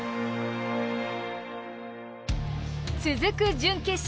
続く準決勝。